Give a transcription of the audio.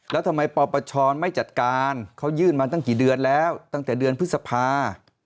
แล้วทำไมปปชไม่จัดการเขายื่นมาตั้งกี่เดือนแล้วตั้งแต่เดือนพฤษภา